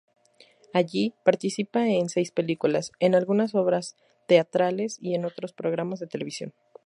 Allí participa en seis películas, en algunas obras teatrales y en programas televisivos.